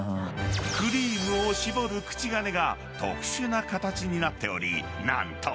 ［クリームを絞る口金が特殊な形になっており何と］